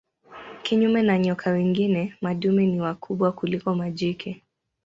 Kinyume na nyoka wengine madume ni wakubwa kuliko majike.